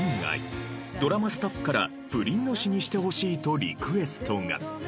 ドラマスタッフから不倫の詞にしてほしいとリクエストが。